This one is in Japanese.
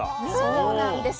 そうなんです。